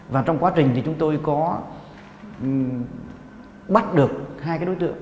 và trong quá trình thì chúng tôi có bắt được hai cái đối tượng